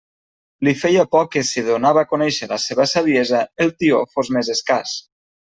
Li feia por que, si donava a conèixer la seva saviesa, el tió fos més escàs.